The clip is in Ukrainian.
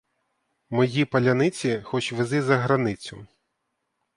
Мої паляниці хоч вези за границю!